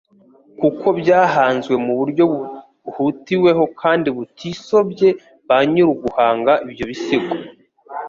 kuko byahanzwe mu buryo buhutiweho kandi butisobye ba nyiruguhanga ibyo bisigo.